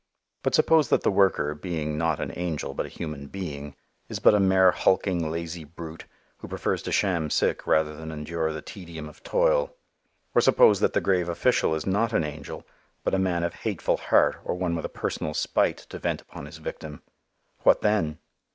But suppose that the worker, being not an angel but a human being, is but a mere hulking, lazy brute who prefers to sham sick rather than endure the tedium of toil. Or suppose that the grave official is not an angel, but a man of hateful heart or one with a personal spite to vent upon his victim. What then?